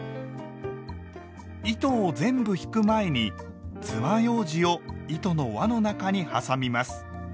糸を全部引く前につまようじを糸の輪の中に挟みます。